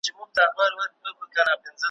سمدستي یې سره پرانیسته په منډه `